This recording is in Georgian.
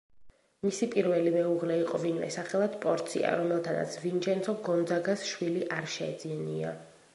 მისი პირველი მეუღლე იყო ვინმე, სახელად პორცია, რომელთანაც ვინჩენცო გონძაგას შვილი არ შეძენია.